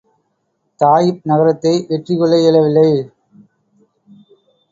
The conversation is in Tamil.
தாயிப் நகரத்தை வெற்றி கொள்ள இயலவில்லை.